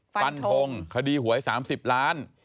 ฟันทงคดีหวย๓๐ล้าน